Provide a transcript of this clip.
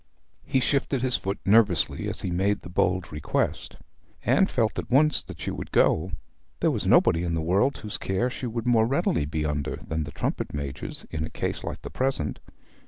He shifted his foot nervously as he made the bold request. Anne felt at once that she would go. There was nobody in the world whose care she would more readily be under than the trumpet major's in a case like the present.